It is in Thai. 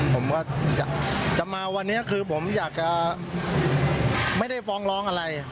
ผมก็จะมาวันนี้คือผมอยากจะไม่ได้ฟ้องร้องอะไร